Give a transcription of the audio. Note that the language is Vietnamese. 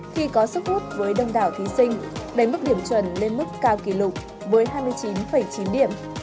khi có sức hút với đông đảo thí sinh đẩy mức điểm chuẩn lên mức cao kỷ lục với hai mươi chín chín điểm